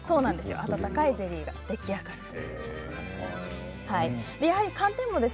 温かいゼリーが出来上がるということです。